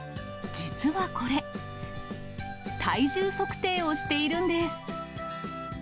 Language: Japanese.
実はこれ、体重測定をしているんです。